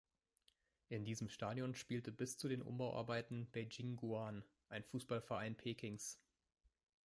In diesem Stadion spielte bis zu den Umbauarbeiten Beijing Guoan, ein Fußballverein Pekings.